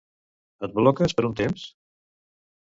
Et bloques per un temps?